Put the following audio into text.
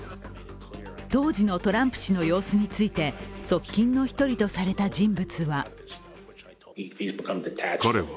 当時のトランプ氏の様子について側近の１人とされた人物は